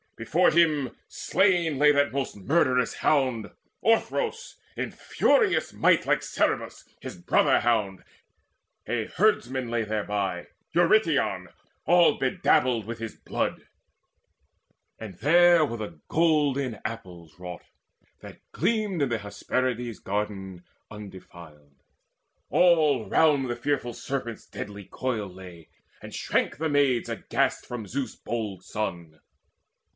Before him slain lay that most murderous hound Orthros, in furious might like Cerberus His brother hound: a herdman lay thereby, Eurytion, all bedabbled with his blood. There were the Golden Apples wrought, that gleamed In the Hesperides' garden undefiled: All round the fearful Serpent's dead coils lay, And shrank the Maids aghast from Zeus' bold son.